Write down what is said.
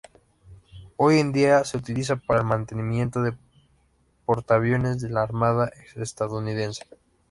Hoy en día se utiliza para el mantenimiento de portaaviones de la Armada estadounidense.